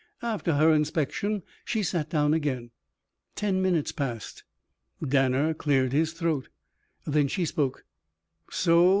After her inspection she sat down again. Ten minutes passed. Danner cleared his throat. Then she spoke. "So.